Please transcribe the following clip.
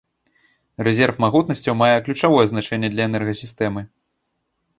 Рэзерв магутнасцяў мае ключавое значэнне для энергасістэмы.